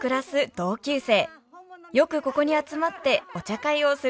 同級生。